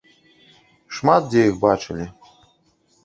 Шмат дзе іх бачылі.